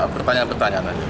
oh ada pertanyaan pertanyaan aja